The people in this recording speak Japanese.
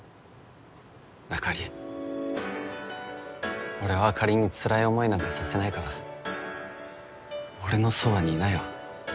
あかり俺はあかりにつらい思いなんかさせないから俺のそばにいなよ